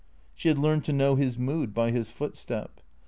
She had learned to know his mood by his footstep.